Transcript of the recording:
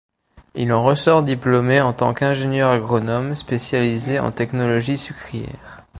Il en ressort diplômé en tant qu'ingénieur agronome spécialisé en technologie sucrière.